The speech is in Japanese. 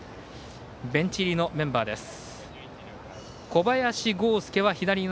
ベンチ入りのメンバーです。